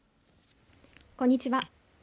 こんにちは。